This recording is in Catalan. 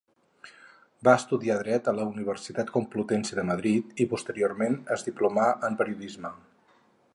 Va estudiar dret a la Universitat Complutense de Madrid i posteriorment es diplomà en periodisme.